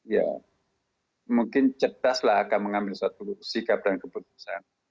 ya mungkin cerdaslah akan mengambil satu sikap dan keputusan